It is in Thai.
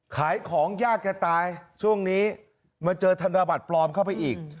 ขายของยากแกตายช่วงนี้มาเจอธนบัตรปลอมเข้าไปอีก